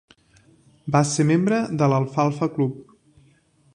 Va ser membre de l'Alfalfa Club.